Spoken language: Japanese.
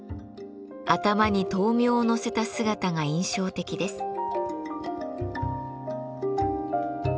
頭に燈明を載せた姿が印象的です。